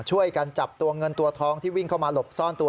ช่วยกันจับตัวเงินตัวทองที่หลบซ่อนตัว